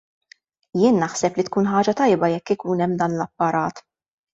Jien naħseb li tkun ħaġa tajba jekk ikun hemm dan l-apparat.